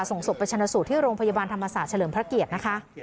ส่งศพไปชนะสูตรที่โรงพยาบาลธรรมศาสตร์เฉลิมพระเกียรตินะคะ